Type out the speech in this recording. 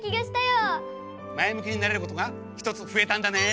まえむきになれることがひとつふえたんだね。